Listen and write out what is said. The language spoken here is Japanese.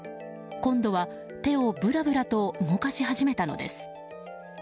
今度は、手をブラブラと動かし始めたのです。